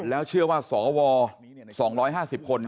แล้วเชื่อว่าสว๒๕๐คน